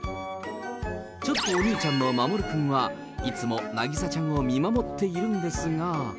ちょっとお兄ちゃんのマモルくんは、いつも凪里ちゃんを見守っているんですが。